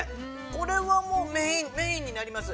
これはもうメインになります。